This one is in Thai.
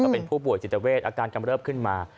เป็นผู้ป่วยจิตเวทอาการกำเริบขึ้นมา